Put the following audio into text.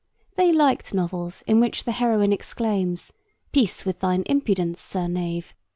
They liked novels in which the heroine exclaims, 'Peace with thine impudence, sir knave.